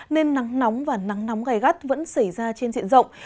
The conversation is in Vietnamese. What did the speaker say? nên nắng nóng và nắng nóng gai gắt vẫn xảy ra trên diện rộng